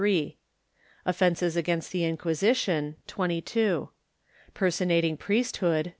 3 Offences against the Inquisition 22 Personating Priesthood ...